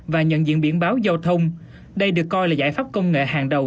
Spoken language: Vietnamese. và nhận diện biển báo giao thông đây được coi là giải pháp công nghệ hàng đầu